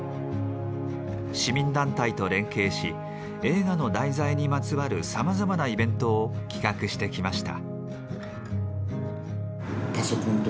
市民団体と連携し映画の題材にまつわるさまざまなイベントを企画してきました。